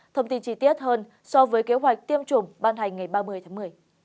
thông tin chi tiết hơn so với kế hoạch tiêm chủng ban hành ngày ba mươi tháng một mươi